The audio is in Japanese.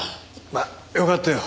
まあよかったよ